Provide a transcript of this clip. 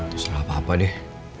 terserah papa deh